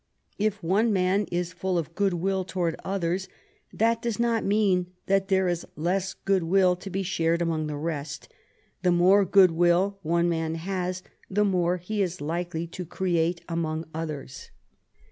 If one man is full of good will toward others, that does not mean that there is less good will to be shared among the rest; the more good will one man has, the more he is likely to create among others.